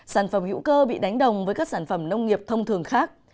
sản phẩm hữu cơ bị đánh đồng với các sản phẩm nông nghiệp thông thường khác